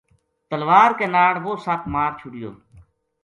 تلوار کے ناڑ وہ سپ مار چھوڈیو